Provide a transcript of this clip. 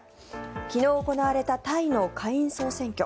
昨日行われたタイの下院総選挙。